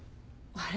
あれ？